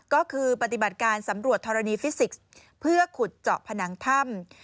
ก็คือปฏิบัติการสำรวจธรณีฟิสิกส์เพื่อขุดเจาะผนังถ้ำ